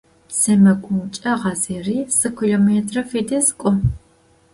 СэмэгумкӀэ гъазэри зы километрэ фэдиз кӀо.